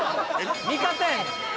味方やねん！